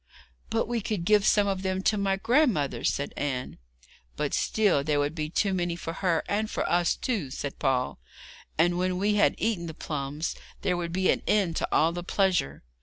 'But we could give some of them to my grandmother,' said Anne. 'But still there would be too many for her, and for us, too,' said Paul, 'and when we had eaten the plums there would be an end to all the pleasure.